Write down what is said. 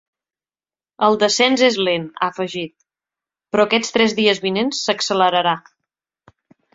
El descens és lent, ha afegit, “però aquests tres dies vinents s’accelerarà”.